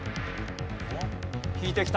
引いてきた。